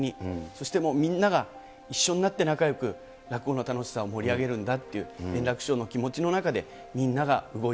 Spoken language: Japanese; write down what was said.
そしてもう、みんなが一緒になって仲よく、落語の楽しさを盛り上げるんだっていう円楽師匠の気持